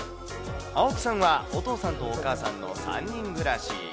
青木さんはお父さんとお母さんの３人暮らし。